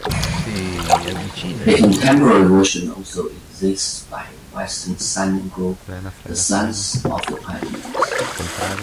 A contemporary version also exists by Western singing group the Sons of the Pioneers.